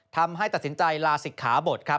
ทำให้ตัดสินใจลาศิกขาบทครับ